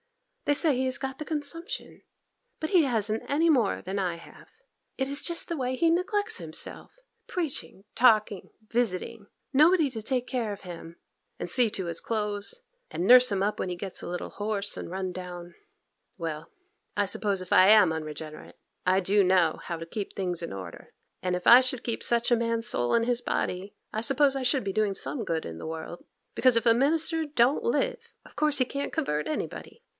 They say he has got the consumption, but he hasn't any more than I have. It is just the way he neglects himself!—preaching, talking, and visiting—nobody to take care of him, and see to his clothes, and nurse him up when he gets a little hoarse and run down. Well, I suppose if I am unregenerate, I do know how to keep things in order; and if I should keep such a man's soul in his body, I suppose I should be doing some good in the world; because if a minister don't live, of course he can't convert anybody.